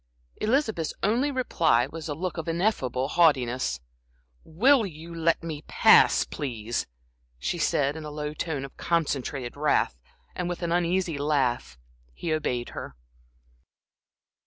Elizabeth's only reply was a look of ineffable haughtiness. "Will you let me pass, please?" she said, in a low tone of concentrated wrath, and with an uneasy laugh, he obeyed her.